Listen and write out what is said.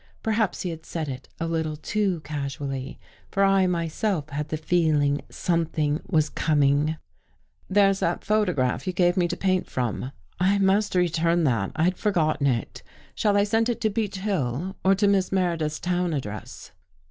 Perhaps he had said it a little too casually, for I myself had the feeling something was coming. " There's that photograph you gave me to paint 194 DOCTOR CROW FORGETS from. I must return that. Fd forgotten it. Shall I send it to Beech Hill or to Miss Meredith's town address?